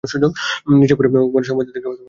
নিশাপুরে ওমরের সমাধি দেখতে অনেকটা তাঁবুর মতো।